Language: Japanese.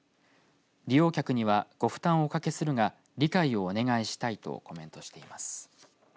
利用客にはご負担をおかけするが理解をお願いしたいとコメントしています。